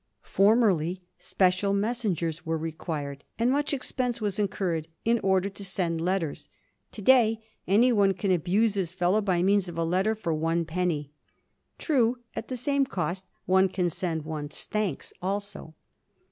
Formerly, special messengers were required and much expense was incurred in order to send letters; to day, anyone can abuse his fellow by means of a letter for one penny. True, at the same cost, one can send one's thanks also.